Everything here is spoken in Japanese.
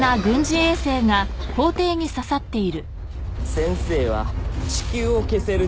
先生は地球を消せる超生物